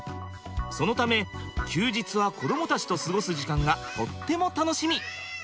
そのため休日は子どもたちと過ごす時間がとっても楽しみ。